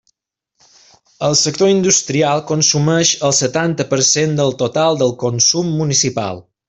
El sector industrial consumeix el setanta per cent del total del consum municipal.